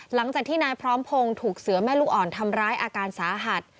หลังจากที่นายพร้อมพงศ์ถูกเสือแม่ลูกอ่อนทำร้ายอาการสาหัส